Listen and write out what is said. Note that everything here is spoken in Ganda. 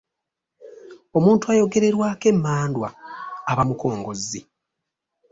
Omuntu ayogererwako emmandwa aba mukongozzi.